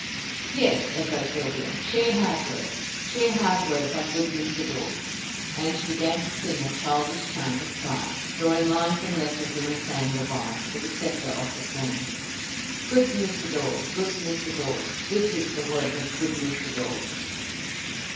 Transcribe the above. "Yes!" echoed Sylvia, "sheer hard work sheer hard work by good Mr. Dawes!" And she began to sing a childish chant of triumph, drawing lines and letters in the sand the while, with the sceptre of the Queen. "Good Mr. Dawes! Good Mr. Dawes! This is the work of Good Mr. Dawes!"